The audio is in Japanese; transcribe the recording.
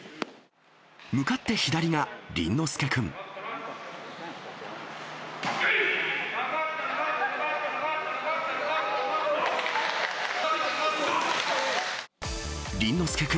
向かって左が倫之亮君。